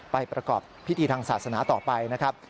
ประกอบพิธีทางศาสนาต่อไปนะครับ